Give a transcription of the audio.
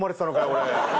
俺。